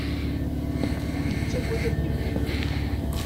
Ur yettagad ad yemmet.